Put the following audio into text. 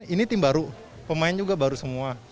ini tim baru pemain juga baru semua